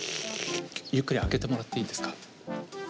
ゆっくり開けてもらっていいですか？